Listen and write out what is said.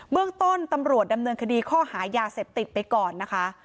เรื่องต้นตำรวจดำเนินคดีข้อหายาเสพติดไปก่อนนะคะ